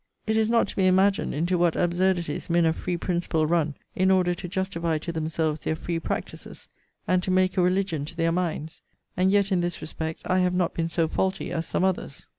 It is not to be imagined into what absurdities men of free principle run in order to justify to themselves their free practices; and to make a religion to their minds: and yet, in this respect, I have not been so faulty as some others.